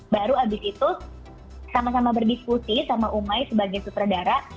baru habis itu sama sama berdiskusi sama umai sebagai sutradara